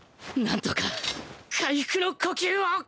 何とか回復の呼吸を